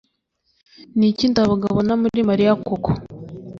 ni iki ndabaga abona muri mariya koko